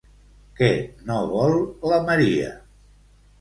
Què no vol la Maria?